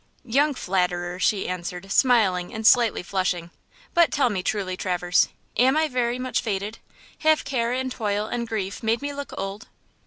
"Young flatterer!" she answered, smiling and slightly flushing. "But tell me truly, Traverse, am I very much faded? Have care and toil and grief made me look old?"